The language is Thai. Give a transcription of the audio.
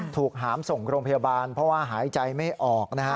หามส่งโรงพยาบาลเพราะว่าหายใจไม่ออกนะฮะ